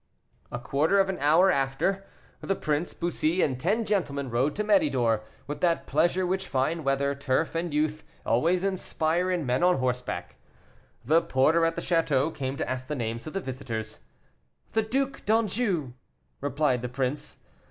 A quarter of an hour after, the prince, Bussy, and ten gentlemen rode to Méridor, with that pleasure which fine weather, turf, and youth always inspire in men on horseback. The porter at the château came to ask the names of the visitors. "The Duc d'Anjou," replied the prince.